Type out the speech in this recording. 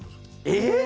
えっ！